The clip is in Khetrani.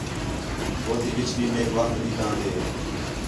ہو تی وِچ بھی میک وخت ݙِتّیان٘دے